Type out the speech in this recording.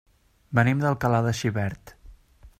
Venim d'Alcalà de Xivert.